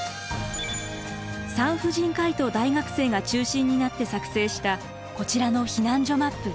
産婦人科医と大学生が中心になって作成したこちらの避難所マップ。